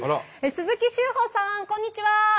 鈴木秀峰さんこんにちは。